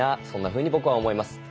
そんなふうに僕は思います。